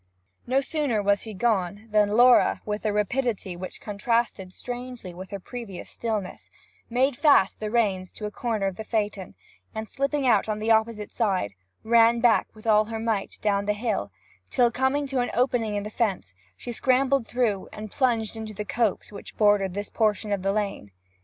No sooner was he gone than Laura, with a rapidity which contrasted strangely with her previous stillness, made fast the reins to the corner of the phaeton, and slipping out on the opposite side, ran back with all her might down the hill, till, coming to an opening in the fence, she scrambled through it, and plunged into the copse which bordered this portion of the lane.